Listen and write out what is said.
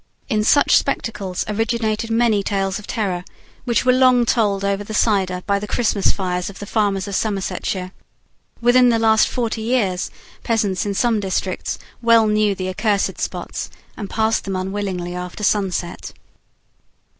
In such spectacles originated many tales of terror, which were long told over the cider by the Christmas fires of the farmers of Somersetshire. Within the last forty years, peasants, in some districts, well knew the accursed spots, and passed them unwillingly after sunset.